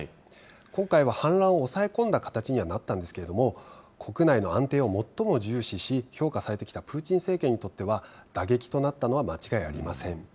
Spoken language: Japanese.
今回は反乱を抑え込んだ形にはなったんですけれども、国内の安定を最も重視し、評価されてきたプーチン政権にとっては、打撃となったのは間違いありません。